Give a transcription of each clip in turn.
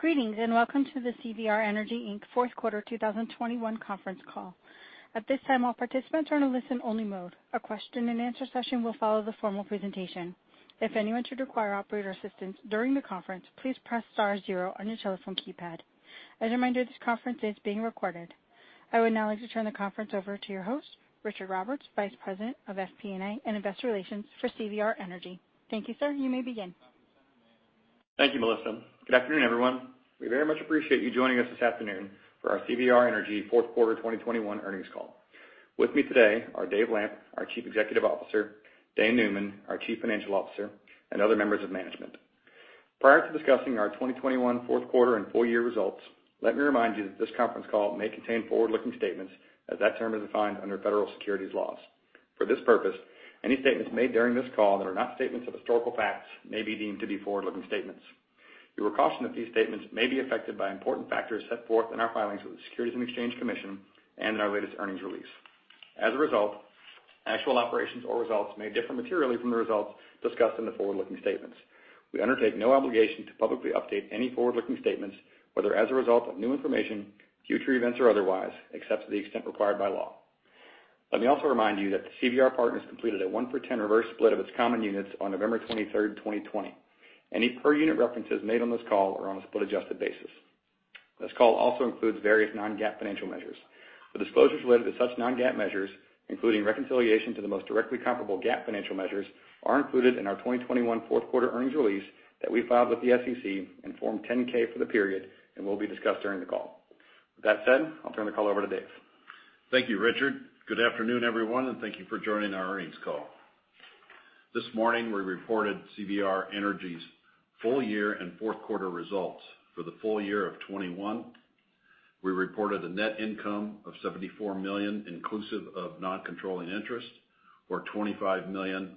Greetings, and welcome to the CVR Energy, Inc. fourth quarter 2021 conference call. At this time, all participants are in a listen-only mode. A question-and-answer session will follow the formal presentation. If anyone should require operator assistance during the conference, please press star zero on your telephone keypad. As a reminder, this conference is being recorded. I would now like to turn the conference over to your host, Richard Roberts, Vice President of FP&A and Investor Relations for CVR Energy. Thank you, sir. You may begin. Thank you, Melissa. Good afternoon, everyone. We very much appreciate you joining us this afternoon for our CVR Energy fourth quarter 2021 earnings call. With me today are Dave Lamp, our Chief Executive Officer, Dane Neumann, our Chief Financial Officer, and other members of management. Prior to discussing our 2021 fourth quarter and full year results, let me remind you that this conference call may contain forward-looking statements as that term is defined under federal securities laws. For this purpose, any statements made during this call that are not statements of historical facts may be deemed to be forward-looking statements. You are cautioned that these statements may be affected by important factors set forth in our filings with the Securities and Exchange Commission and in our latest earnings release. As a result, actual operations or results may differ materially from the results discussed in the forward-looking statements. We undertake no obligation to publicly update any forward-looking statements, whether as a result of new information, future events or otherwise, except to the extent required by law. Let me also remind you that the CVR Partners completed a 1-for-10 reverse split of its common units on November 23, 2020. Any per unit references made on this call are on a split-adjusted basis. This call also includes various non-GAAP financial measures. The disclosures related to such non-GAAP measures, including reconciliation to the most directly comparable GAAP financial measures, are included in our 2021 fourth quarter earnings release that we filed with the SEC in Form 10-K for the period and will be discussed during the call. With that said, I'll turn the call over to Dave. Thank you, Richard. Good afternoon, everyone, and thank you for joining our earnings call. This morning, we reported CVR Energy's full year and fourth quarter results. For the full year of 2021, we reported a net income of $74 million, inclusive of non-controlling interest, or $25 million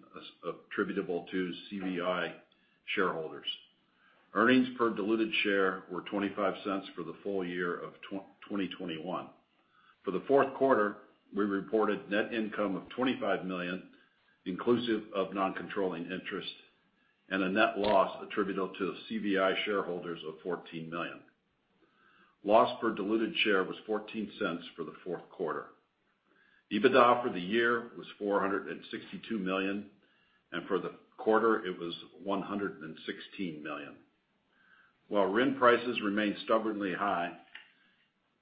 attributable to CVI shareholders. Earnings per diluted share were $0.25 for the full year of 2021. For the fourth quarter, we reported net income of $25 million, inclusive of non-controlling interest, and a net loss attributable to CVI shareholders of $14 million. Loss per diluted share was $0.14 for the fourth quarter. EBITDA for the year was $462 million, and for the quarter, it was $116 million. While RIN prices remained stubbornly high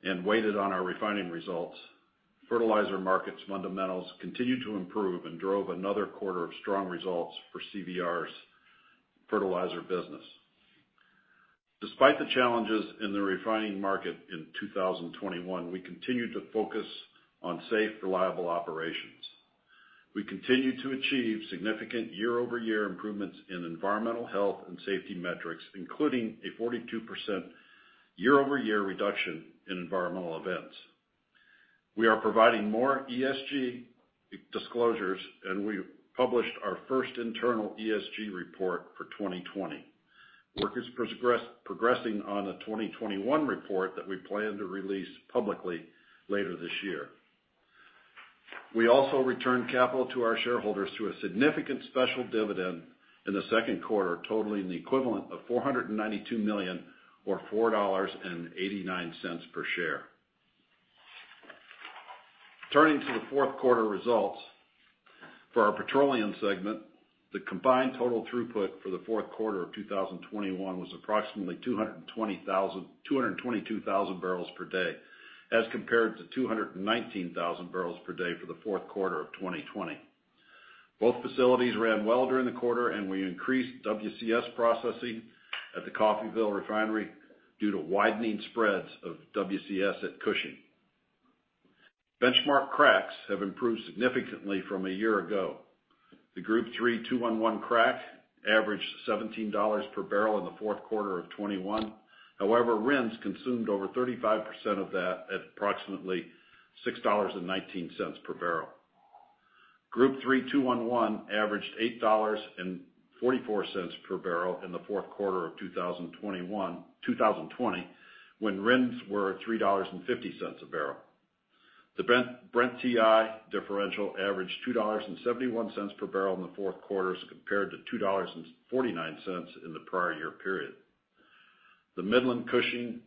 and weighted on our refining results, fertilizer markets fundamentals continued to improve and drove another quarter of strong results for CVR's fertilizer business. Despite the challenges in the refining market in 2021, we continued to focus on safe, reliable operations. We continued to achieve significant year-over-year improvements in environmental health and safety metrics, including a 42% year-over-year reduction in environmental events. We are providing more ESG disclosures, and we published our first internal ESG report for 2020. Work is progressing on a 2021 report that we plan to release publicly later this year. We also returned capital to our shareholders through a significant special dividend in the second quarter, totaling the equivalent of $492 million or $4.89 per share. Turning to the fourth quarter results, for our petroleum segment, the combined total throughput for the fourth quarter of 2021 was approximately 222,000 barrels per day as compared to 219,000 barrels per day for the fourth quarter of 2020. Both facilities ran well during the quarter, and we increased WCS processing at the Coffeyville refinery due to widening spreads of WCS at Cushing. Benchmark cracks have improved significantly from a year ago. The Group 3 2-1-1 crack averaged $17 per barrel in the fourth quarter of 2021. However, RINs consumed over 35% of that at approximately $6.19 per barrel. Group 3 2-1-1 averaged $8.44 per barrel in the fourth quarter of 2021, 2020 when RINs were at $3.50 a barrel. The Brent-WTI differential averaged $2.71 per barrel in the fourth quarter as compared to $2.49 in the prior year period. The Midland Cushing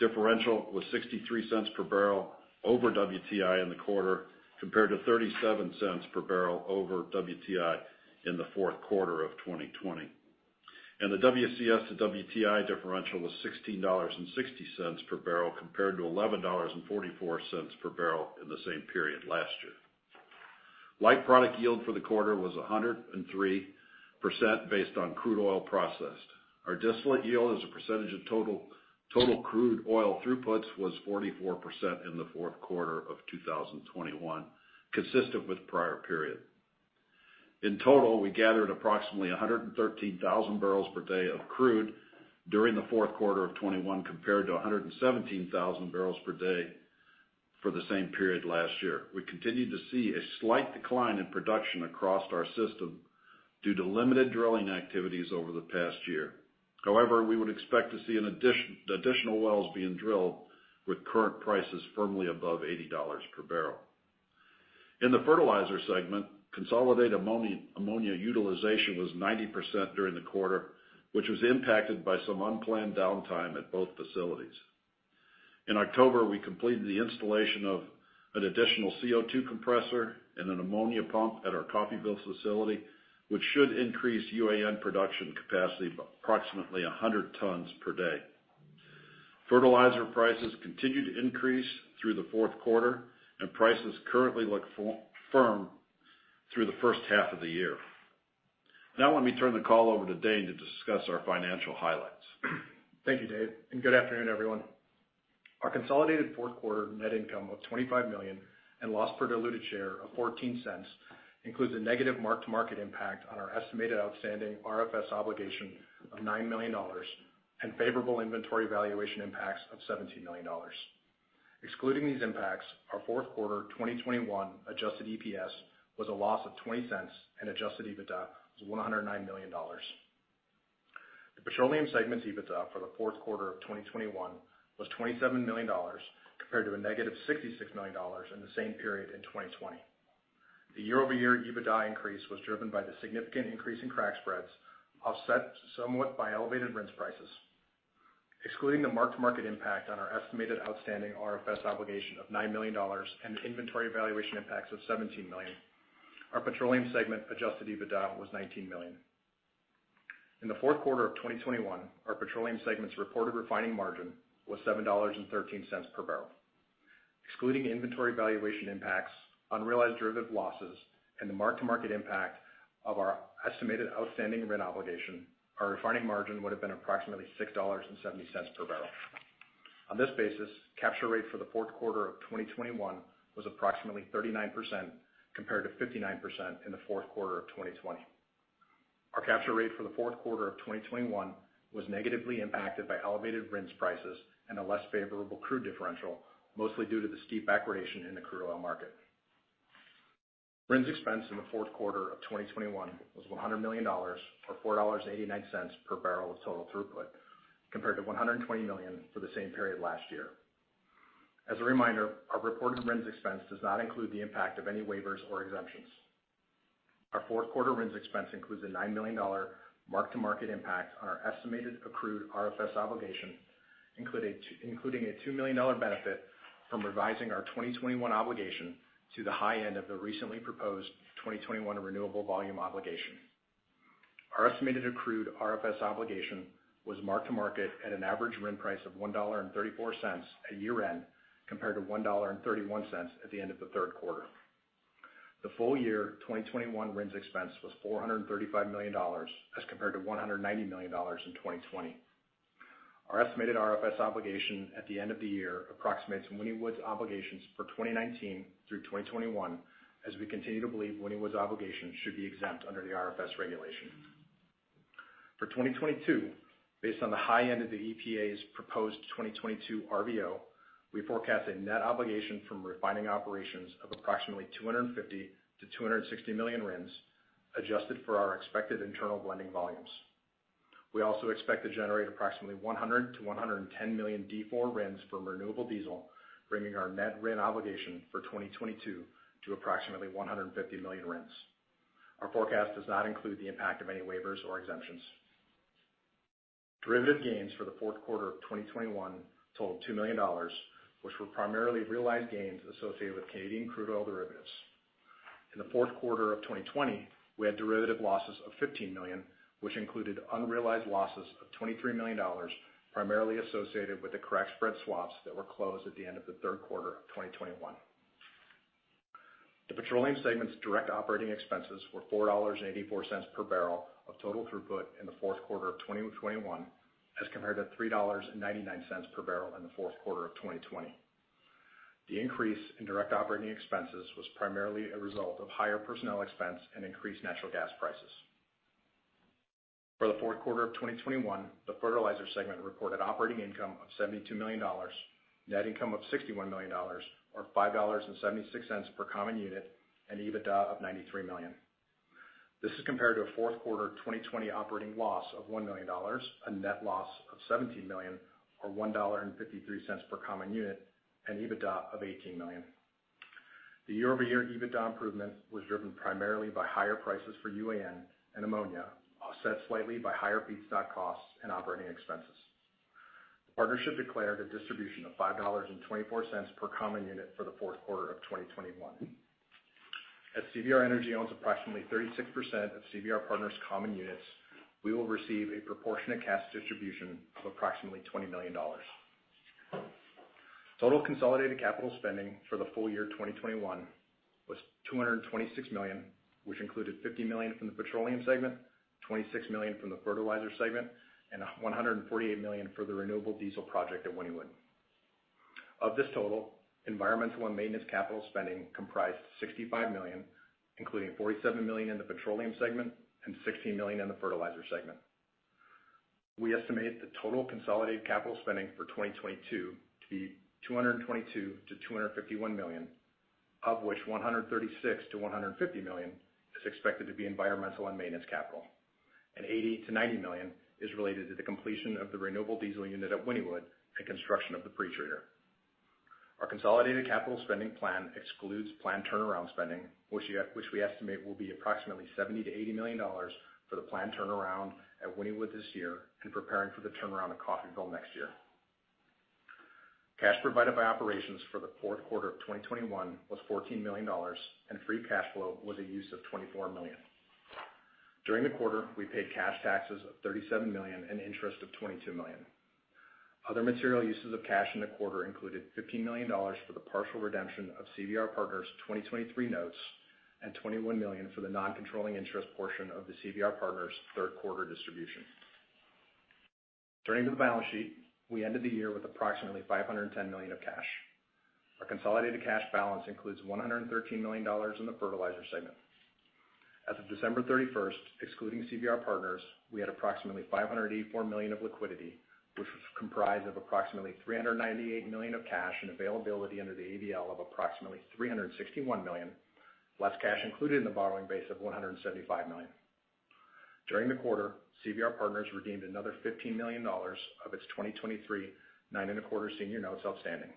differential was $0.63 per barrel over WTI in the quarter, compared to $0.37 per barrel over WTI in the fourth quarter of 2020. The WCS to WTI differential was $16.60 per barrel, compared to $11.44 per barrel in the same period last year. Light product yield for the quarter was 103% based on crude oil processed. Our distillate yield as a percentage of total crude oil throughputs was 44% in the fourth quarter of 2021, consistent with prior period. In total, we gathered approximately 113,000 barrels per day of crude during the fourth quarter of 2021 compared to 117,000 barrels per day for the same period last year. We continued to see a slight decline in production across our system due to limited drilling activities over the past year. However, we would expect to see additional wells being drilled with current prices firmly above $80 per barrel. In the fertilizer segment, consolidated ammonia utilization was 90% during the quarter, which was impacted by some unplanned downtime at both facilities. In October, we completed the installation of an additional CO2 compressor and an ammonia pump at our Coffeyville facility, which should increase UAN production capacity by approximately 100 tons per day. Fertilizer prices continued to increase through the fourth quarter, and prices currently look firm through the first half of the year. Now, let me turn the call over to Dane to discuss our financial highlights. Thank you, Dave, and good afternoon, everyone. Our consolidated fourth quarter net income of $25 million and loss per diluted share of $0.14 includes a negative mark-to-market impact on our estimated outstanding RFS obligation of $9 million and favorable inventory valuation impacts of $17 million. Excluding these impacts, our fourth quarter 2021 adjusted EPS was a loss of $0.20 and adjusted EBITDA was $109 million. The petroleum segment's EBITDA for the fourth quarter of 2021 was $27 million compared to -$66 million in the same period in 2020. The year-over-year EBITDA increase was driven by the significant increase in crack spreads, offset somewhat by elevated RINs prices. Excluding the mark-to-market impact on our estimated outstanding RFS obligation of $9 million and inventory valuation impacts of $17 million, our petroleum segment adjusted EBITDA was $19 million. In the fourth quarter of 2021, our petroleum segment's reported refining margin was $7.13 per barrel. Excluding inventory valuation impacts, unrealized derivative losses, and the mark-to-market impact of our estimated outstanding RIN obligation, our refining margin would have been approximately $6.70 per barrel. On this basis, capture rate for the fourth quarter of 2021 was approximately 39% compared to 59% in the fourth quarter of 2020. Our capture rate for the fourth quarter of 2021 was negatively impacted by elevated RINs prices and a less favorable crude differential, mostly due to the steep backwardation in the crude oil market. RINs expense in the fourth quarter of 2021 was $100 million or $4.89 per barrel of total throughput, compared to $120 million for the same period last year. As a reminder, our reported RINs expense does not include the impact of any waivers or exemptions. Our fourth quarter RINs expense includes a $9 million mark-to-market impact on our estimated accrued RFS obligation, including a $2 million benefit from revising our 2021 obligation to the high end of the recently proposed 2021 renewable volume obligation. Our estimated accrued RFS obligation was mark-to-market at an average RIN price of $1.34 at year-end, compared to $1.31 at the end of the third quarter. The full year 2021 RINs expense was $435 million as compared to $190 million in 2020. Our estimated RFS obligation at the end of the year approximates Wynnewood's obligations for 2019 through 2021, as we continue to believe Wynnewood's obligation should be exempt under the RFS regulation. For 2022, based on the high end of the EPA's proposed 2022 RVO, we forecast a net obligation from refining operations of approximately 250-260 million RINs, adjusted for our expected internal blending volumes. We also expect to generate approximately 100 million-110 million D4 RINs from renewable diesel, bringing our net RIN obligation for 2022 to approximately 150 million RINs. Our forecast does not include the impact of any waivers or exemptions. Derivative gains for the fourth quarter of 2021 totaled $2 million, which were primarily realized gains associated with Canadian crude oil derivatives. In the fourth quarter of 2020, we had derivative losses of $15 million, which included unrealized losses of $23 million, primarily associated with the crack spread swaps that were closed at the end of the third quarter of 2021. The petroleum segment's direct operating expenses were $4.84 per barrel of total throughput in the fourth quarter of 2021, as compared to $3.99 per barrel in the fourth quarter of 2020. The increase in direct operating expenses was primarily a result of higher personnel expense and increased natural gas prices. For the fourth quarter of 2021, the fertilizer segment reported operating income of $72 million, net income of $61 million or $5.76 per common unit, and EBITDA of $93 million. This is compared to a fourth quarter 2020 operating loss of $1 million, a net loss of $17 million or $1.53 per common unit, and EBITDA of $18 million. The year-over-year EBITDA improvement was driven primarily by higher prices for UAN and ammonia, offset slightly by higher feedstock costs and operating expenses. The partnership declared a distribution of $5.24 per common unit for the fourth quarter of 2021. As CVR Energy owns approximately 36% of CVR Partners common units, we will receive a proportionate cash distribution of approximately $20 million. Total consolidated capital spending for the full year 2021 was $226 million, which included $50 million from the petroleum segment, $26 million from the fertilizer segment, and $148 million for the renewable diesel project at Wynnewood. Of this total, environmental and maintenance capital spending comprised $65 million, including $47 million in the petroleum segment and $16 million in the fertilizer segment. We estimate the total consolidated capital spending for 2022 to be $222 million-$251 million, of which $136 million-$150 million is expected to be environmental and maintenance capital. Eighty to ninety million is related to the completion of the renewable diesel unit at Wynnewood and construction of the pre-treater. Our consolidated capital spending plan excludes planned turnaround spending, which we estimate will be approximately $70 million-$80 million for the planned turnaround at Wynnewood this year and preparing for the turnaround at Coffeyville next year. Cash provided by operations for the fourth quarter of 2021 was $14 million, and free cash flow was a use of $24 million. During the quarter, we paid cash taxes of $37 million and interest of $22 million. Other material uses of cash in the quarter included $15 million for the partial redemption of CVR Partners 2023 notes, and $21 million for the non-controlling interest portion of the CVR Partners third quarter distribution. Turning to the balance sheet, we ended the year with approximately $510 million of cash. Our consolidated cash balance includes $113 million in the fertilizer segment. As of December 31st, excluding CVR Partners, we had approximately $584 million of liquidity, which was comprised of approximately $398 million of cash and availability under the ABL of approximately $361 million, less cash included in the borrowing base of $175 million. During the quarter, CVR Partners redeemed another $15 million of its 2023 9.25% senior notes outstanding.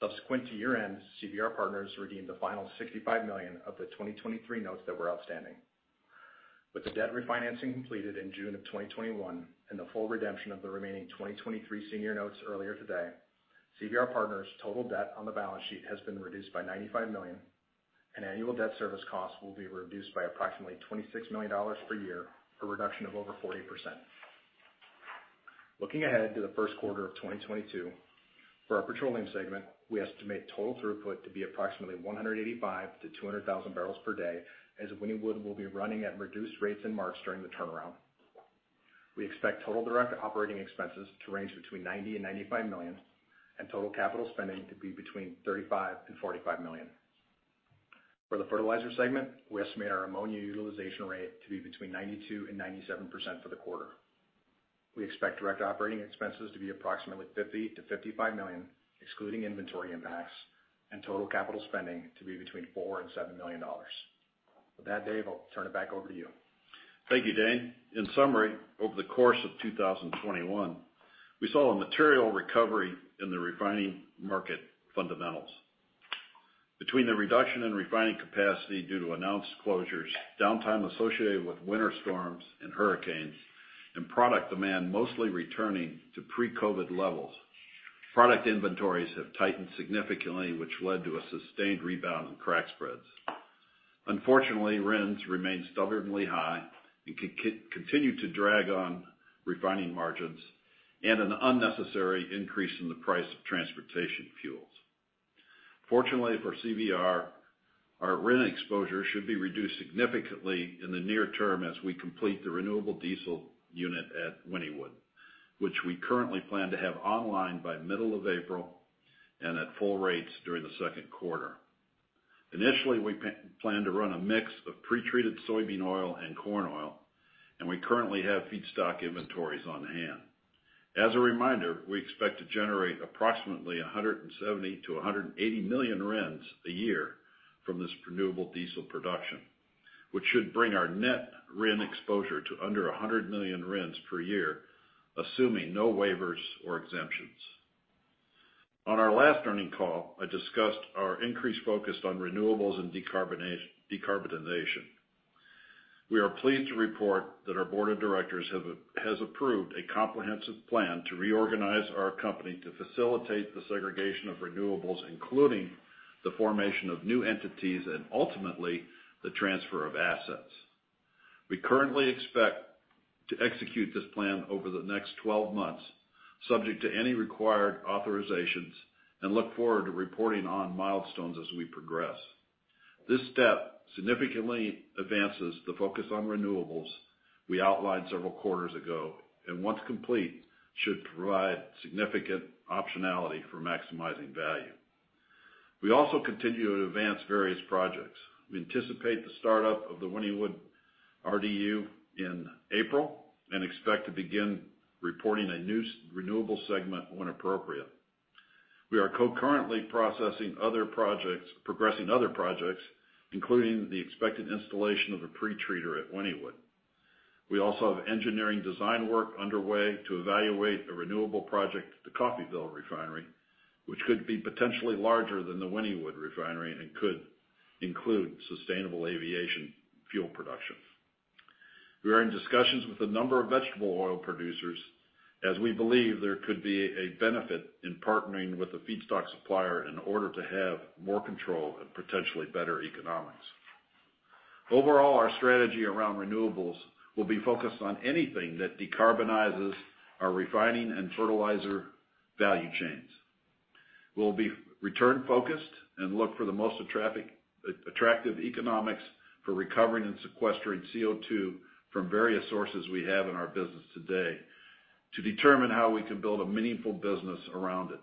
Subsequent to year-end, CVR Partners redeemed the final $65 million of the 2023 notes that were outstanding. With the debt refinancing completed in June of 2021 and the full redemption of the remaining 2023 senior notes earlier today, CVR Partners' total debt on the balance sheet has been reduced by $95 million, and annual debt service costs will be reduced by approximately $26 million per year, a reduction of over 40%. Looking ahead to the first quarter of 2022, for our Petroleum segment, we estimate total throughput to be approximately 185,000-200,000 barrels per day, as Wynnewood will be running at reduced rates in March during the turnaround. We expect total direct operating expenses to range between $90 million and $95 million, and total capital spending to be between $35 million and $45 million. For the fertilizer segment, we estimate our ammonia utilization rate to be between 92%-97% for the quarter. We expect direct operating expenses to be approximately $50 million-$55 million, excluding inventory impacts, and total capital spending to be between $4 million-$7 million. With that, Dave, I'll turn it back over to you. Thank you, Dane. In summary, over the course of 2021, we saw a material recovery in the refining market fundamentals. Between the reduction in refining capacity due to announced closures, downtime associated with winter storms and hurricanes, and product demand mostly returning to pre-COVID levels, product inventories have tightened significantly, which led to a sustained rebound in crack spreads. Unfortunately, RINs remain stubbornly high and continue to drag on refining margins and an unnecessary increase in the price of transportation fuels. Fortunately for CVR, our RIN exposure should be reduced significantly in the near term as we complete the renewable diesel unit at Wynnewood, which we currently plan to have online by middle of April and at full rates during the second quarter. Initially, we plan to run a mix of pre-treated soybean oil and corn oil, and we currently have feedstock inventories on hand. As a reminder, we expect to generate approximately 170 million-180 million RINs a year from this renewable diesel production, which should bring our net RIN exposure to under 100 million RINs per year, assuming no waivers or exemptions. On our last earnings call, I discussed our increased focus on renewables and decarbonization. We are pleased to report that our board of directors has approved a comprehensive plan to reorganize our company to facilitate the segregation of renewables, including the formation of new entities and ultimately, the transfer of assets. We currently expect to execute this plan over the next 12 months, subject to any required authorizations, and look forward to reporting on milestones as we progress. This step significantly advances the focus on renewables we outlined several quarters ago, and once complete, should provide significant optionality for maximizing value. We also continue to advance various projects. We anticipate the start-up of the Wynnewood RDU in April and expect to begin reporting a new renewable segment when appropriate. We are concurrently progressing other projects, including the expected installation of a pre-treater at Wynnewood. We also have engineering design work underway to evaluate a renewable project at the Coffeyville refinery, which could be potentially larger than the Wynnewood refinery and could include sustainable aviation fuel production. We are in discussions with a number of vegetable oil producers, as we believe there could be a benefit in partnering with a feedstock supplier in order to have more control and potentially better economics. Overall, our strategy around renewables will be focused on anything that decarbonizes our refining and fertilizer value chains. We'll be return-focused and look for the most attractive economics for recovering and sequestering CO2 from various sources we have in our business today to determine how we can build a meaningful business around it.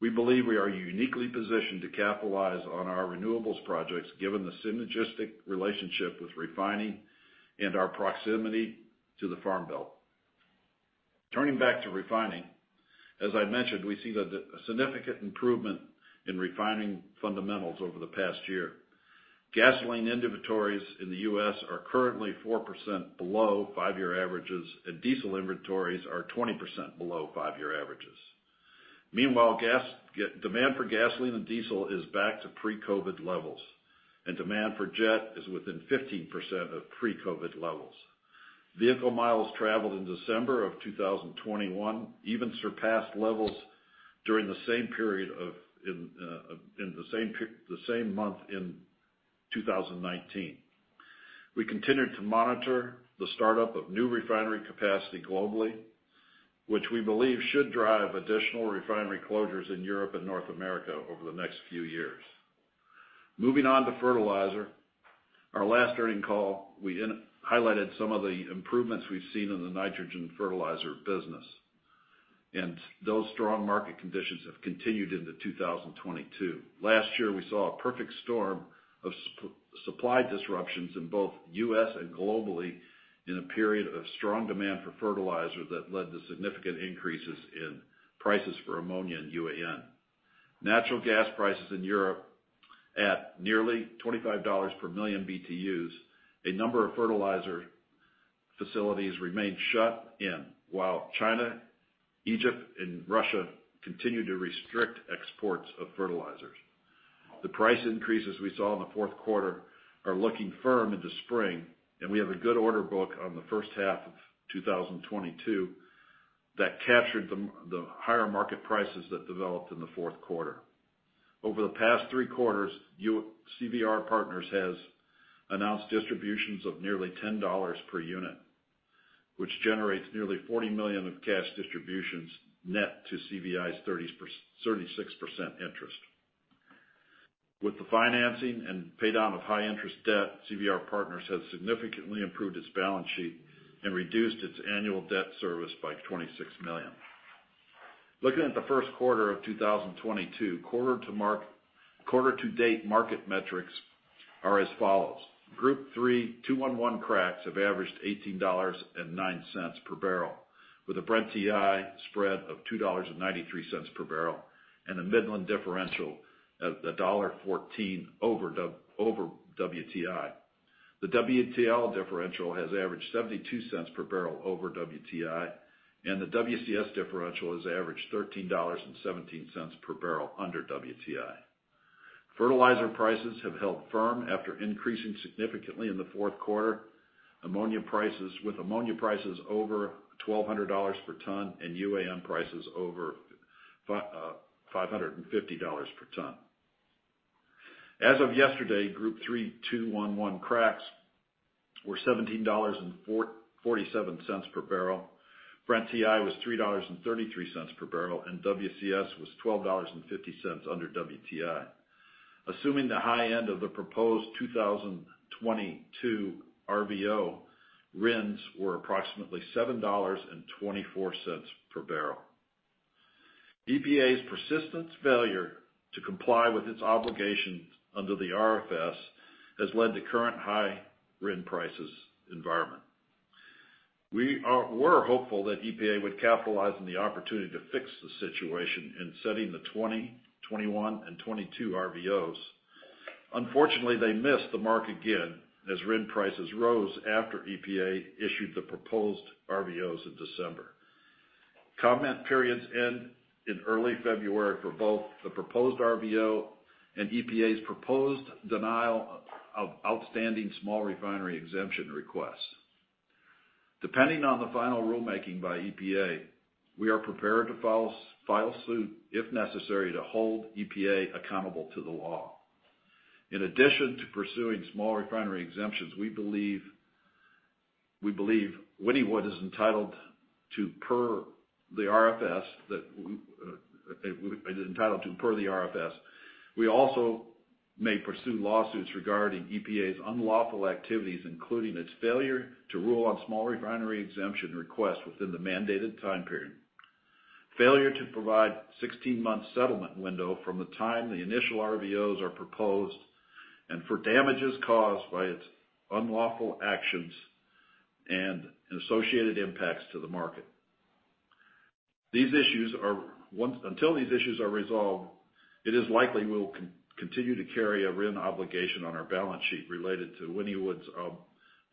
We believe we are uniquely positioned to capitalize on our renewables projects, given the synergistic relationship with refining and our proximity to the farm belt. Turning back to refining, as I mentioned, we see the significant improvement in refining fundamentals over the past year. Gasoline inventories in the U.S. are currently 4% below five-year averages, and diesel inventories are 20% below five-year averages. Meanwhile, demand for gasoline and diesel is back to pre-COVID levels, and demand for jet is within 15% of pre-COVID levels. Vehicle miles traveled in December of 2021 even surpassed levels during the same period in the same month in 2019. We continued to monitor the startup of new refinery capacity globally, which we believe should drive additional refinery closures in Europe and North America over the next few years. Moving on to fertilizer. Our last earnings call, we highlighted some of the improvements we've seen in the nitrogen fertilizer business, and those strong market conditions have continued into 2022. Last year, we saw a perfect storm of supply disruptions in both U.S. and globally in a period of strong demand for fertilizer that led to significant increases in prices for ammonia and UAN. Natural gas prices in Europe are at nearly $25 per million BTUs. A number of fertilizer facilities remain shut in while China, Egypt, and Russia continue to restrict exports of fertilizers. The price increases we saw in the fourth quarter are looking firm into spring, and we have a good order book on the first half of 2022 that captured the higher market prices that developed in the fourth quarter. Over the past three quarters, CVR Partners has announced distributions of nearly $10 per unit, which generates nearly $40 million of cash distributions net to CVI's 36% interest. With the financing and pay down of high interest debt, CVR Partners has significantly improved its balance sheet and reduced its annual debt service by $26 million. Looking at the first quarter of 2022, quarter to date market metrics are as follows. Group 3 2-1-1 cracks have averaged $18.09 per barrel with a Brent-WTI spread of $2.93 per barrel, and a Midland differential of $1.14 over WTI. The WTL differential has averaged $0.72 per barrel over WTI, and the WCS differential has averaged $13.17 per barrel under WTI. Fertilizer prices have held firm after increasing significantly in the fourth quarter. Ammonia prices over $1,200 per ton and UAN prices over $550 per ton. As of yesterday, Group 3 2-1-1 cracks were $17.47 per barrel. Brent-WTI was $3.33 per barrel, and WCS was $12.50 under WTI. Assuming the high end of the proposed 2022 RVO, RINs were approximately $7.24 per barrel. EPA's persistent failure to comply with its obligations under the RFS has led to the current high RIN prices environment. We're hopeful that EPA would capitalize on the opportunity to fix the situation in setting the 2021 and 2022 RVOs. Unfortunately, they missed the mark again as RIN prices rose after EPA issued the proposed RVOs in December. Comment periods end in early February for both the proposed RVO and EPA's proposed denial of outstanding small refinery exemption requests. Depending on the final rulemaking by EPA, we are prepared to file suit if necessary to hold EPA accountable to the law. In addition to pursuing small refinery exemptions, we believe Wynnewood is entitled to per the RFS. We also may pursue lawsuits regarding EPA's unlawful activities, including its failure to rule on small refinery exemption requests within the mandated time period, failure to provide 16-month settlement window from the time the initial RVOs are proposed, and for damages caused by its unlawful actions and associated impacts to the market. Until these issues are resolved, it is likely we'll continue to carry a RIN obligation on our balance sheet related to Wynnewood's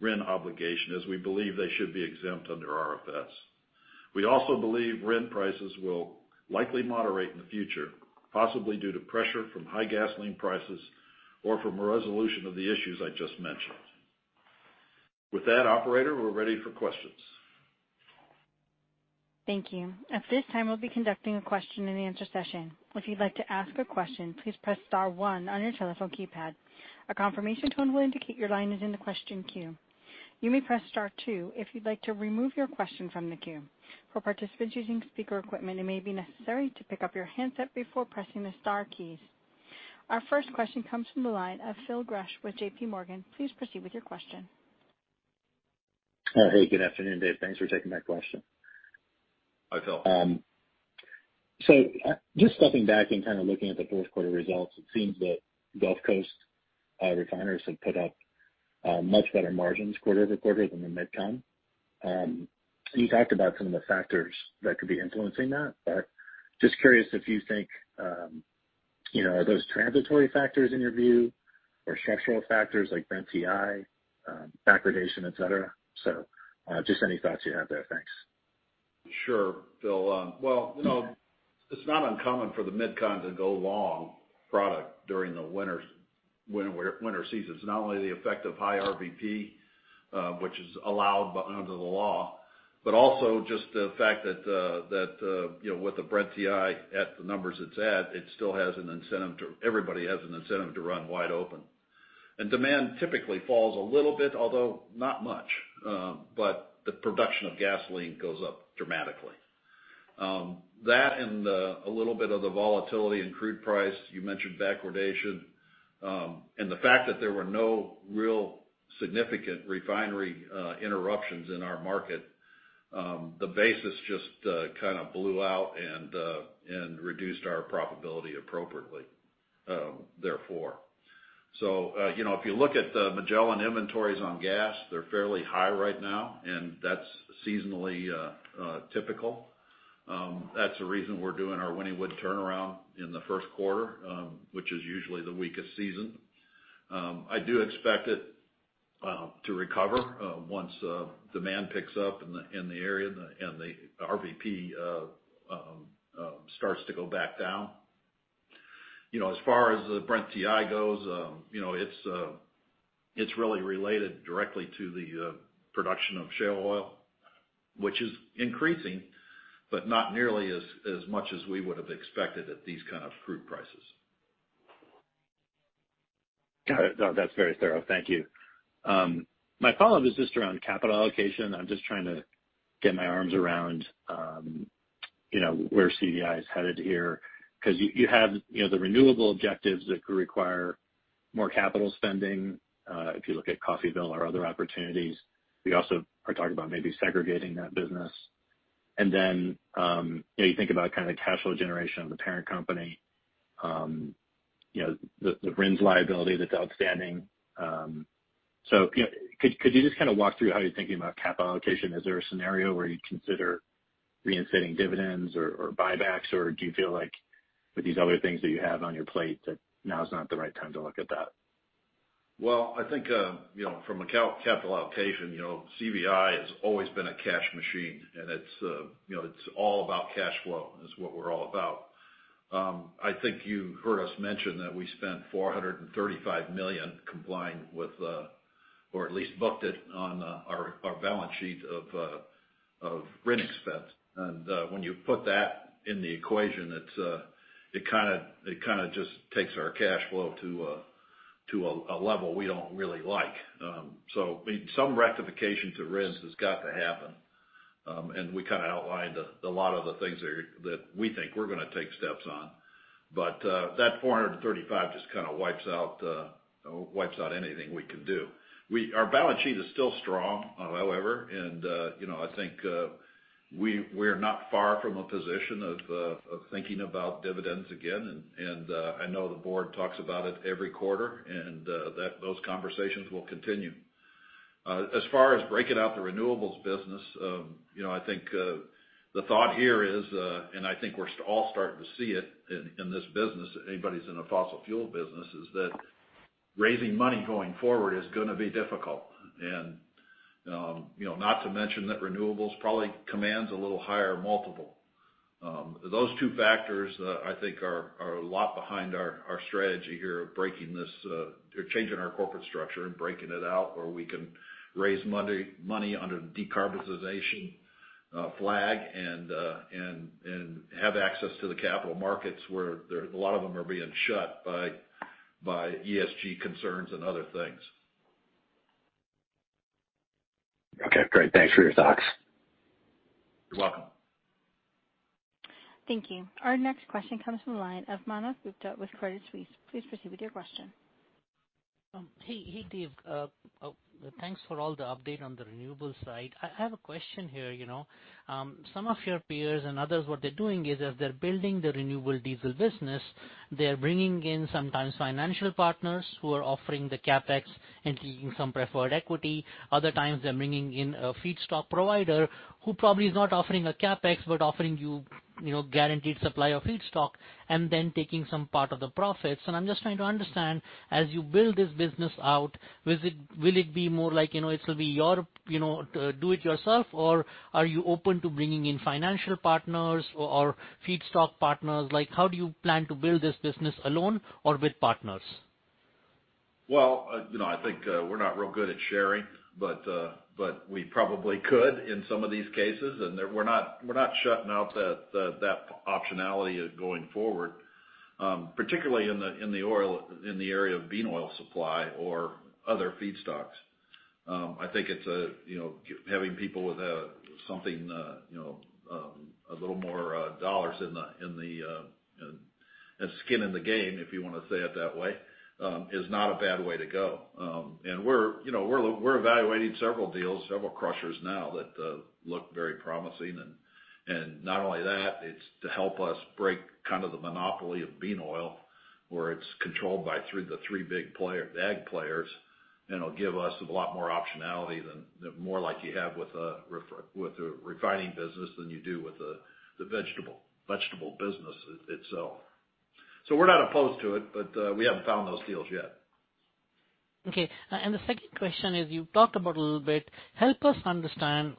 RIN obligation as we believe they should be exempt under RFS. We also believe RIN prices will likely moderate in the future, possibly due to pressure from high gasoline prices or from a resolution of the issues I just mentioned. With that, operator, we're ready for questions. Thank you. At this time, we'll be conducting a question and answer session. If you'd like to ask a question, please press star one on your telephone keypad. A confirmation tone will indicate your line is in the question queue. You may press star two if you'd like to remove your question from the queue. For participants using speaker equipment, it may be necessary to pick up your handset before pressing the star keys. Our first question comes from the line of Phil Gresh with JPMorgan. Please proceed with your question. Hey, good afternoon, Dave. Thanks for taking my question. Hi, Phil. Just stepping back and kind of looking at the fourth quarter results, it seems that Gulf Coast refiners have put up much better margins quarter-over-quarter than the Mid-Con. You talked about some of the factors that could be influencing that, but just curious if you think, you know, are those transitory factors in your view or structural factors like Brent-WTI, backwardation, et cetera? Just any thoughts you have there. Thanks. Sure, Phil. Well, you know, it's not uncommon for the Mid-Con to go long product during the winter seasons, not only the effect of high RVP, which is allowed under the law, but also just the fact that, you know, with the Brent-WTI at the numbers it's at, it still has an incentive. Everybody has an incentive to run wide open. Demand typically falls a little bit, although not much, but the production of gasoline goes up dramatically. That and a little bit of the volatility in crude price, you mentioned backwardation, and the fact that there were no real significant refinery interruptions in our market, the basis just kind of blew out and reduced our profitability appropriately, therefore. You know, if you look at the Magellan inventories on gas, they're fairly high right now, and that's seasonally typical. That's the reason we're doing our Wynnewood turnaround in the first quarter, which is usually the weakest season. I do expect it to recover once demand picks up in the area and the RVP starts to go back down. You know, as far as the Brent-WTI goes, you know, it's really related directly to the production of shale oil, which is increasing, but not nearly as much as we would have expected at these kind of crude prices. Got it. No, that's very thorough. Thank you. My follow-up is just around capital allocation. I'm just trying to get my arms around, you know, where CVI is headed here. Because you have, you know, the renewable objectives that could require more capital spending, if you look at Coffeyville or other opportunities. You also are talking about maybe segregating that business. You know, you think about kind of the cash flow generation of the parent company, you know, the RINs liability that's outstanding. You know, could you just kind of walk through how you're thinking about capital allocation? Is there a scenario where you'd consider reinstating dividends or buybacks? Or do you feel like with these other things that you have on your plate, that now is not the right time to look at that? Well, I think you know from a capital allocation you know CVI has always been a cash machine, and it's you know it's all about cash flow is what we're all about. I think you heard us mention that we spent $435 million complying with or at least booked it on our balance sheet of RIN expense. When you put that in the equation, it's it kind of just takes our cash flow to a level we don't really like. Some rectification to RINs has got to happen. We kind of outlined a lot of the things there that we think we're gonna take steps on. That $435 million just kind of wipes out anything we can do. Our balance sheet is still strong, however, and you know, I think we're not far from a position of thinking about dividends again. I know the board talks about it every quarter and those conversations will continue. As far as breaking out the renewables business, you know, I think the thought here is I think we're all starting to see it in this business, anybody who's in the fossil fuel business is that raising money going forward is gonna be difficult. You know, not to mention that renewables probably commands a little higher multiple. Those two factors, I think, are a lot behind our strategy here of breaking this or changing our corporate structure and breaking it out, where we can raise money under the decarbonization flag and have access to the capital markets where there a lot of them are being shut by ESG concerns and other things. Okay, great. Thanks for your thoughts. You're welcome. Thank you. Our next question comes from the line of Manav Gupta with Credit Suisse. Please proceed with your question. Hey, Dave. Thanks for all the update on the renewables side. I have a question here, you know. Some of your peers and others, what they're doing is as they're building the renewable diesel business, they're bringing in sometimes financial partners who are offering the CapEx and keeping some preferred equity. Other times, they're bringing in a feedstock provider who probably is not offering a CapEx, but offering you know, guaranteed supply of feedstock, and then taking some part of the profits. I'm just trying to understand, as you build this business out, will it be more like, you know, it'll be your, you know, do it yourself? Or are you open to bringing in financial partners or feedstock partners? Like, how do you plan to build this business alone or with partners? Well, you know, I think we're not real good at sharing, but we probably could in some of these cases. We're not shutting out that optionality of going forward, particularly in the area of bean oil supply or other feedstocks. I think it's, you know, having people with something a little more skin in the game, if you wanna say it that way, is not a bad way to go. We're, you know, evaluating several deals, several crushers now that look very promising. Not only that, it's to help us break kind of the monopoly of soybean oil, where it's controlled by the three big ag players, and it'll give us a lot more optionality than more like you have with a refining business than you do with the vegetable business itself. We're not opposed to it, but we haven't found those deals yet. Okay. The second question is, you talked about a little bit, help us understand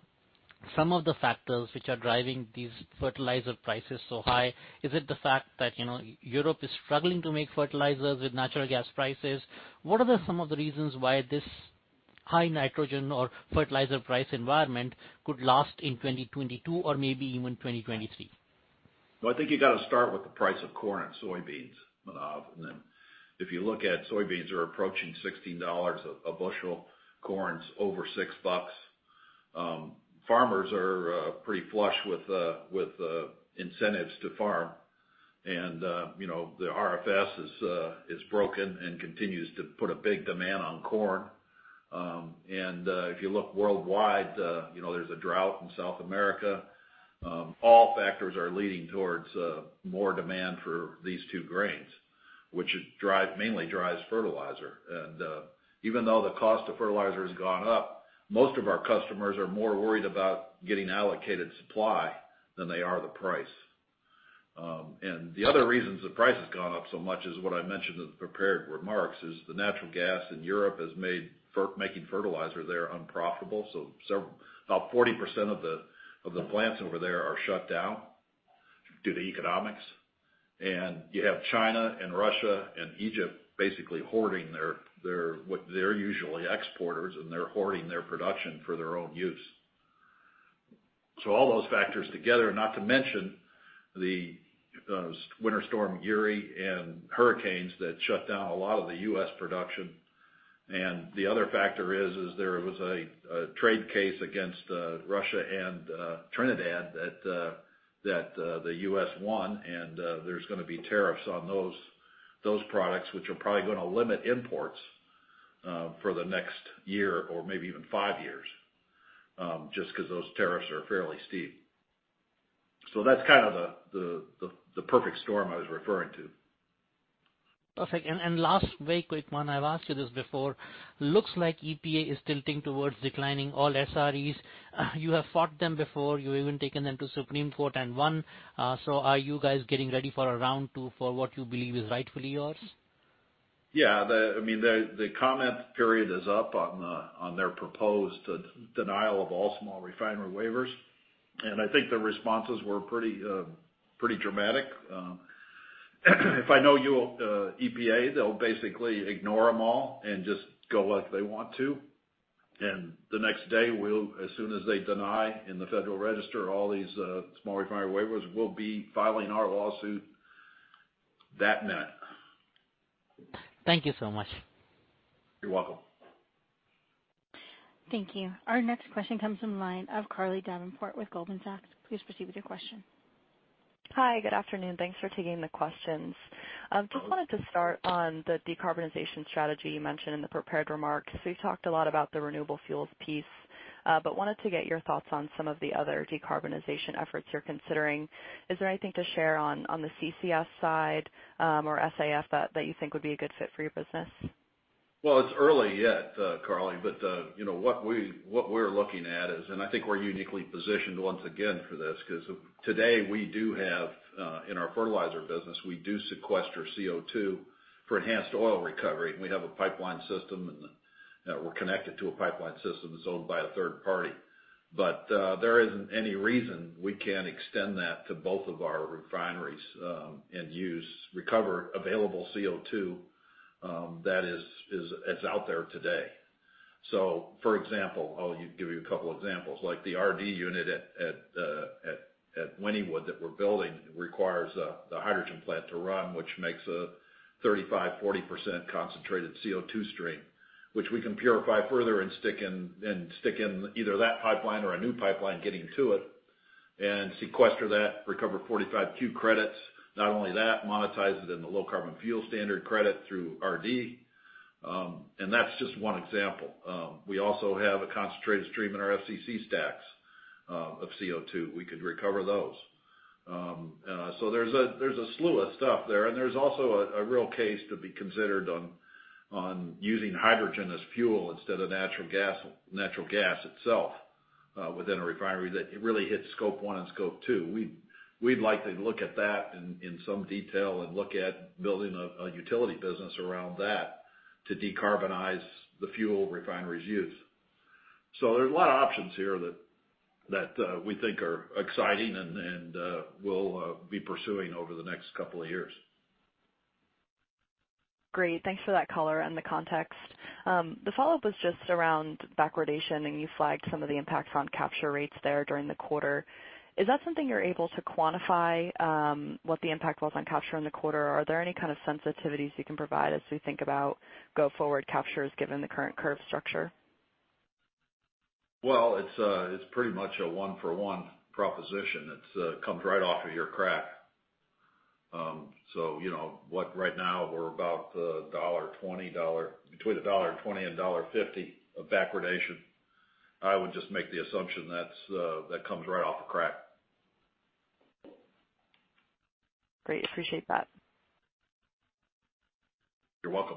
some of the factors which are driving these fertilizer prices so high. Is it the fact that, you know, Europe is struggling to make fertilizers with natural gas prices? What are some of the reasons why this high nitrogen or fertilizer price environment could last in 2022 or maybe even 2023? Well, I think you gotta start with the price of corn and soybeans, Manav. Then if you look at soybeans are approaching $16 a bushel. Corn's over $6. Farmers are pretty flush with incentives to farm. You know, the RFS is broken and continues to put a big demand on corn. If you look worldwide, you know, there's a drought in South America. All factors are leading towards more demand for these two grains, which mainly drives fertilizer. Even though the cost of fertilizer has gone up, most of our customers are more worried about getting allocated supply than they are the price. The other reasons the price has gone up so much is what I mentioned in the prepared remarks, the natural gas in Europe has made making fertilizer there unprofitable. About 40% of the plants over there are shut down due to economics. You have China and Russia and Egypt basically hoarding what they usually export, and they're hoarding their production for their own use. All those factors together, not to mention the Winter Storm Uri and hurricanes that shut down a lot of the U.S. production. The other factor is there was a trade case against Russia and Trinidad that the U.S. won. There's gonna be tariffs on those products, which are probably gonna limit imports for the next year or maybe even five years, just 'cause those tariffs are fairly steep. That's kind of the perfect storm I was referring to. Perfect. Last very quick one. I've asked you this before. Looks like EPA is tilting towards declining all SREs. You have fought them before. You've even taken them to Supreme Court and won. Are you guys getting ready for a round two for what you believe is rightfully yours? Yeah. I mean, the comment period is up on their proposed denial of all small refinery waivers. I think the responses were pretty dramatic. If I know the EPA, they'll basically ignore them all and just go like they want to. The next day, as soon as they deny in the Federal Register all these small refinery waivers, we'll be filing our lawsuit that minute. Thank you so much. You're welcome. Thank you. Our next question comes from the line of Carly Davenport with Goldman Sachs. Please proceed with your question. Hi. Good afternoon. Thanks for taking the questions. Just wanted to start on the decarbonization strategy you mentioned in the prepared remarks. You talked a lot about the renewable fuels piece, but wanted to get your thoughts on some of the other decarbonization efforts you're considering. Is there anything to share on the CCS side, or SAF that you think would be a good fit for your business? Well, it's early yet, Carly, but you know, what we're looking at is, and I think we're uniquely positioned once again for this, 'cause today we do have, in our fertilizer business, we do sequester CO2 for enhanced oil recovery. We have a pipeline system, and we're connected to a pipeline system that's owned by a third party. There isn't any reason we can't extend that to both of our refineries, and use recovered available CO2, that's out there today. For example, I'll give you a couple examples, like the RD unit at Wynnewood that we're building requires the hydrogen plant to run, which makes a 35%-40% concentrated CO2 stream, which we can purify further and stick in either that pipeline or a new pipeline getting to it and sequester that, recover 45Q credits. Not only that, monetize it in the Low Carbon Fuel Standard credit through RD. That's just one example. We also have a concentrated stream in our FCC stacks of CO2. We could recover those. There's a slew of stuff there. There's also a real case to be considered on using hydrogen as fuel instead of natural gas itself within a refinery that it really hits Scope 1 and Scope 2. We'd like to look at that in some detail and look at building a utility business around that to decarbonize the fuel refineries use. There's a lot of options here that we think are exciting and we'll be pursuing over the next couple of years. Great. Thanks for that color and the context. The follow-up was just around backwardation, and you flagged some of the impacts on capture rates there during the quarter. Is that something you're able to quantify, what the impact was on capture in the quarter? Are there any kind of sensitivities you can provide as we think about go forward captures given the current curve structure? Well, it's a 1-for-1 proposition. It comes right off of your crack. So you know what? Right now, we're about $1.20-$1.50 of backwardation. I would just make the assumption that comes right off of crack. Great. Appreciate that. You're welcome.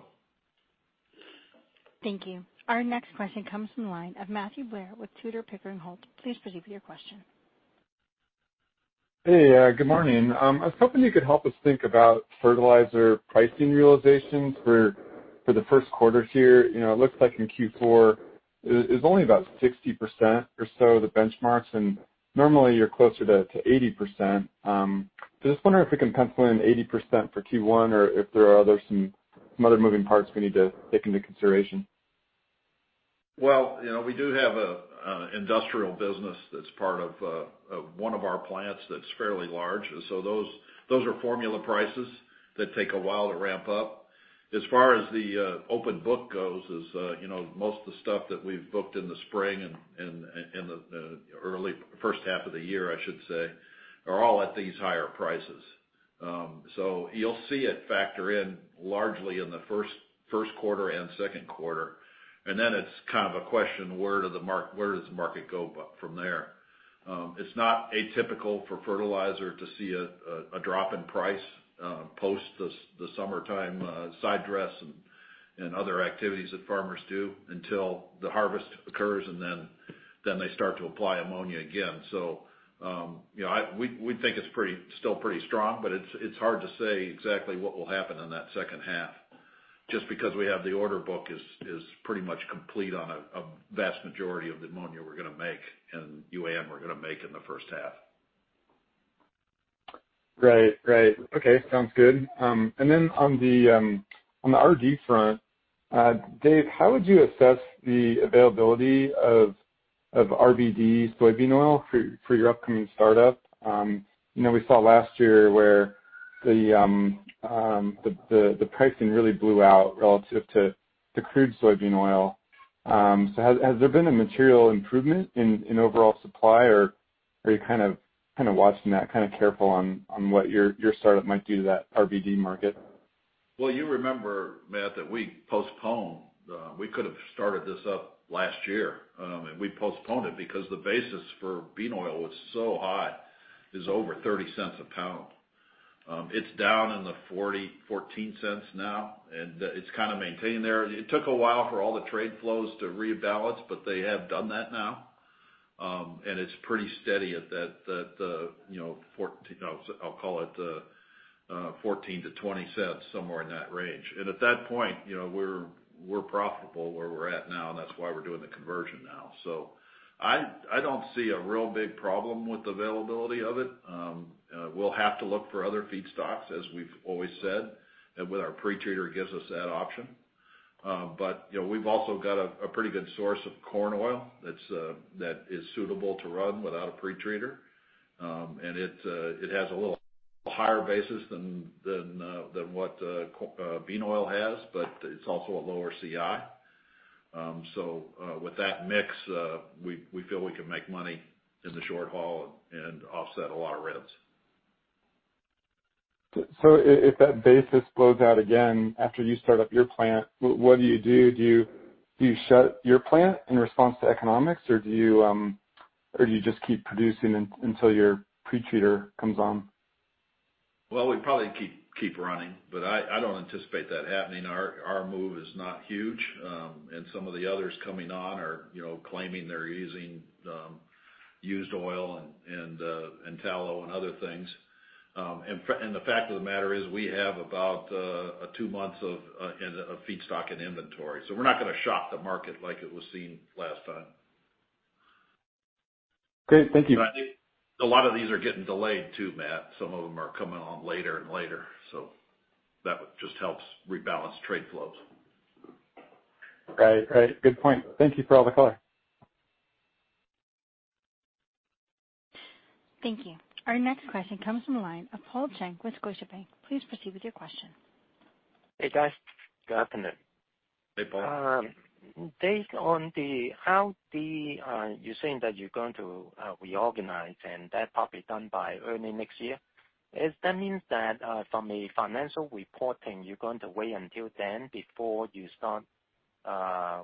Thank you. Our next question comes from the line of Matthew Blair with Tudor, Pickering, Holt & Co. Please proceed with your question. Hey, good morning. I was hoping you could help us think about fertilizer pricing realizations for the first quarter here. You know, it looks like in Q4 it is only about 60% or so of the benchmarks. Normally, you're closer to 80%. Just wondering if we can pencil in 80% for Q1 or if there are some other moving parts we need to take into consideration. Well, you know, we do have an industrial business that's part of one of our plants that's fairly large. Those are formula prices that take a while to ramp up. As far as the open book goes, it's you know, most of the stuff that we've booked in the spring and the early first half of the year, I should say, are all at these higher prices. You'll see it factor in largely in the first quarter and second quarter. Then it's kind of a question, where does the market go up from there? It's not atypical for fertilizer to see a drop in price post the summertime side dress and other activities that farmers do until the harvest occurs, and then they start to apply ammonia again. So, you know, we think it's still pretty strong, but it's hard to say exactly what will happen in that second half. Just because we have the order book is pretty much complete on a vast majority of the ammonia we're gonna make and UAN we're gonna make in the first half. Right. Okay. Sounds good. On the RD front, Dave, how would you assess the availability of RBD soybean oil for your upcoming startup? You know, we saw last year where the pricing really blew out relative to the crude soybean oil. Has there been a material improvement in overall supply, or are you kind of watching that kind of carefully on what your startup might do to that RBD market? Well, you remember, Matt, that we postponed, we could have started this up last year, and we postponed it because the basis for bean oil was so high. It was over $0.30 a pound. It's down in the $0.14 now, and it's kind of maintained there. It took a while for all the trade flows to rebalance, but they have done that now. And it's pretty steady at that, you know, I'll call it $0.14-$0.20, somewhere in that range. And at that point, you know, we're profitable where we're at now, and that's why we're doing the conversion now. I don't see a real big problem with availability of it. We'll have to look for other feedstocks, as we've always said, and with our pretreater gives us that option. You know, we've also got a pretty good source of corn oil that is suitable to run without a pretreater. It has a little higher basis than what bean oil has, but it's also a lower CI. With that mix, we feel we can make money in the short haul and offset a lot of RINs. If that basis blows out again after you start up your plant, what do you do? Do you shut your plant in response to economics, or do you just keep producing until your pretreater comes on? Well, we probably keep running, but I don't anticipate that happening. Our move is not huge, and some of the others coming on are, you know, claiming they're using used oil and tallow and other things. And the fact of the matter is, we have about two months of feedstock and inventory. We're not gonna shock the market like it was seen last time. Okay. Thank you. I think a lot of these are getting delayed too, Matt. Some of them are coming on later and later, so that just helps rebalance trade flows. Right. Good point. Thank you for all the color. Thank you. Our next question comes from the line of Paul Cheng with Scotiabank. Please proceed with your question. Hey, guys. Good afternoon. Hey, Paul. Dave, on the RD, you're saying that you're going to reorganize, and that part be done by early next year. If that means that from a financial reporting, you're going to wait until then before you start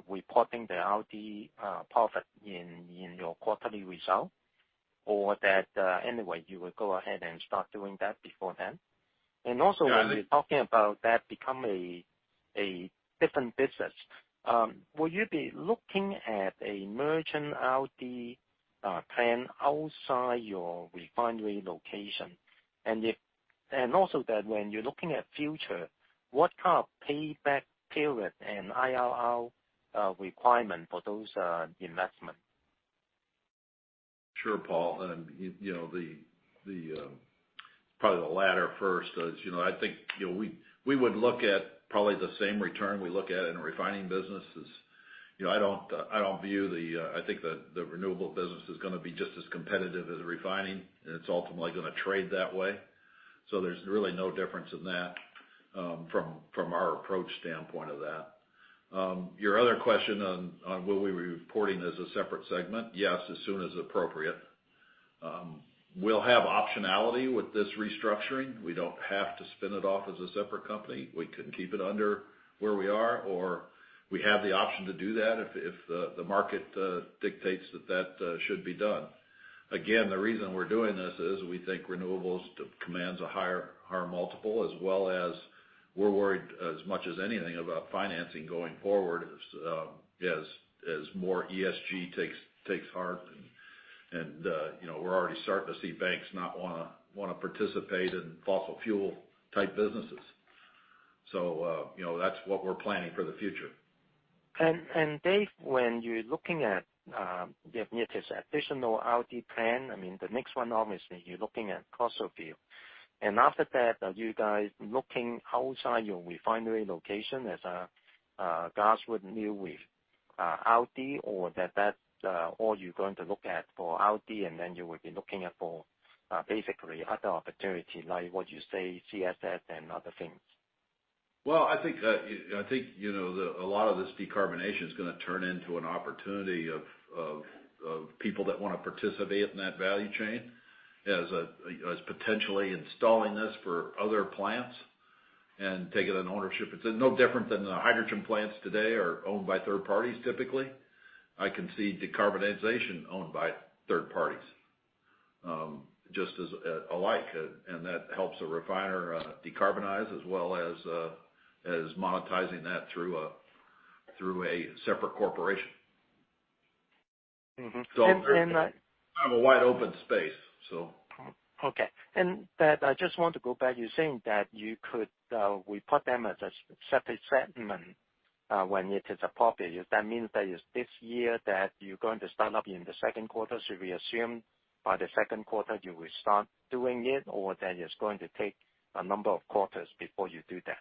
reporting the RD profit in your quarterly result? Or that anyway, you will go ahead and start doing that before then. Yeah. When you're talking about that becoming a different business, will you be looking at a merchant RD plant outside your refinery location? When you're looking at future, what kind of payback period and IRR requirement for those investment? Sure, Paul. You know, probably the latter first is, you know, I think, you know, we would look at probably the same return we look at in a refining business. You know, I think the renewable business is gonna be just as competitive as the refining, and it's ultimately gonna trade that way. So there's really no difference in that, from our approach standpoint of that. Your other question on will we be reporting as a separate segment, yes, as soon as appropriate. We'll have optionality with this restructuring. We don't have to spin it off as a separate company. We can keep it under where we are, or we have the option to do that if the market dictates that should be done. Again, the reason we're doing this is we think renewables commands a higher multiple, as well as we're worried as much as anything about financing going forward as more ESG takes heart. You know, we're already starting to see banks not wanna participate in fossil fuel type businesses. You know, that's what we're planning for the future. Dave, when you're looking at if it is additional RD plan, I mean, the next one obviously you're looking at Coffeyville. After that, are you guys looking outside your refinery location as a grassroots new with RD or that's all you're going to look at for RD, and then you will be looking at for basically other opportunity like what you said CCS and other things? Well, I think, you know, a lot of this decarbonization is gonna turn into an opportunity of people that wanna participate in that value chain as potentially installing this for other plants and taking an ownership. It's no different than the hydrogen plants today are owned by third parties typically. I can see decarbonization owned by third parties just alike, and that helps a refiner decarbonize as well as monetizing that through a separate corporation. Mm-hmm. And, and I- Kind of a wide open space, so. Okay. I just want to go back. You're saying that you could report them as a separate segment when it is appropriate. That means, is this year that you're going to start up in the second quarter. Should we assume by the second quarter you will start doing it, or that it's going to take a number of quarters before you do that?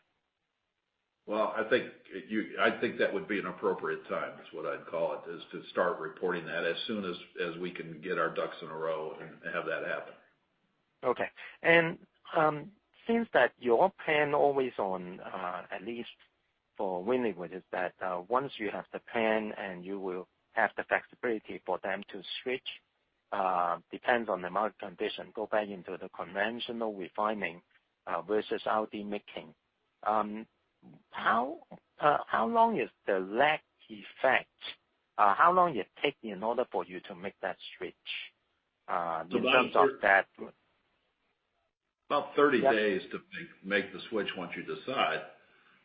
Well, I think that would be an appropriate time, is what I'd call it, to start reporting that as soon as we can get our ducks in a row and have that happen. Okay. Is that your plan always on, at least for Wynnewood, that once you have the plant and you will have the flexibility for them to switch, depends on the market condition, go back into the conventional refining versus RD making, how long is the lag effect? How long it take in order for you to make that switch, in terms of that- About 30 days to make the switch once you decide.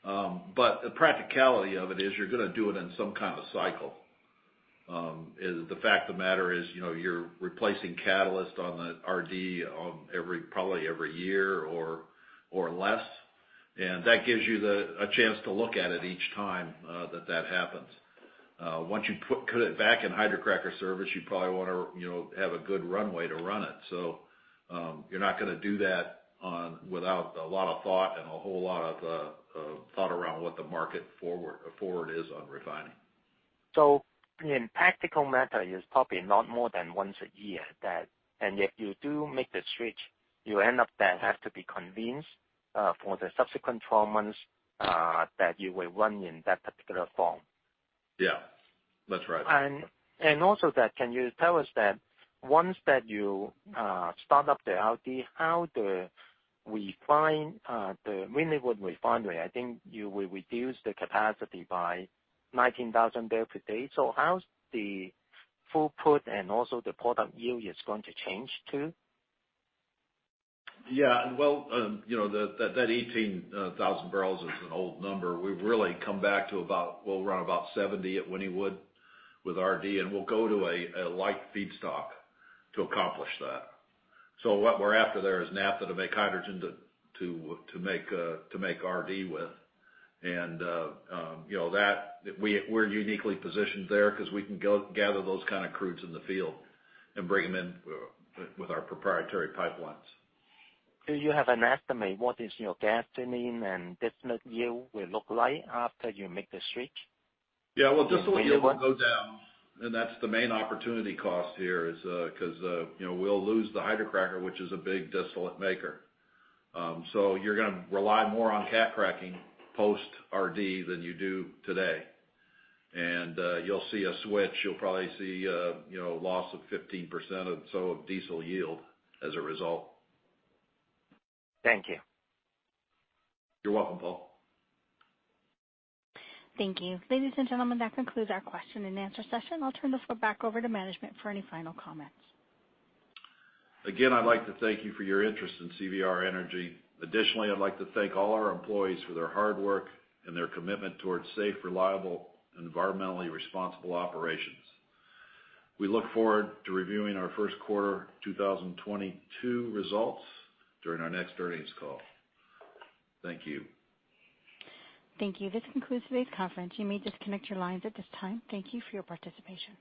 The practicality of it is you're gonna do it in some kind of cycle. The fact of the matter is, you know, you're replacing catalyst on the RD probably every year or less, and that gives you a chance to look at it each time that happens. Once you put it back in hydrocracker service, you probably wanna, you know, have a good runway to run it. You're not gonna do that without a lot of thought and a whole lot of thought around what the market forward is on refining. As a practical matter, it's probably not more than once a year that, if you do make the switch, you end up then have to be convinced for the subsequent 12 months that you will run in that particular form. Yeah, that's right. Also, can you tell us, once you start up the RD, how the refinery, the Wynnewood Refinery, I think you will reduce the capacity by 19,000 barrels per day. How's the throughput and also the product yield going to change too? Yeah. Well, you know, that 18,000 barrels is an old number. We've really come back to about. We'll run about 70 at Wynnewood with RD, and we'll go to a light feedstock to accomplish that. So what we're after there is naphtha to make hydrogen to make RD with. You know, we're uniquely positioned there 'cause we can go gather those kind of crudes in the field and bring them in with our proprietary pipelines. Do you have an estimate what is your gasoline and distillate yield will look like after you make the switch? Yeah. Well, just the yield will go down, and that's the main opportunity cost here is, 'cause, you know, we'll lose the hydrocracker, which is a big distillate maker. So you're gonna rely more on cat cracking post-RD than you do today. You'll see a switch. You'll probably see, you know, loss of 15% or so of diesel yield as a result. Thank you. You're welcome, Paul. Thank you. Ladies and gentlemen, that concludes our question and answer session. I'll turn the floor back over to management for any final comments. Again, I'd like to thank you for your interest in CVR Energy. Additionally, I'd like to thank all our employees for their hard work and their commitment toward safe, reliable, and environmentally responsible operations. We look forward to reviewing our first quarter 2022 results during our next earnings call. Thank you. Thank you. This concludes today's conference. You may disconnect your lines at this time. Thank you for your participation.